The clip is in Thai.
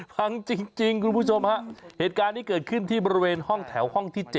พังจริงคุณผู้ชมฮะเหตุการณ์นี้เกิดขึ้นที่บริเวณห้องแถวห้องที่๗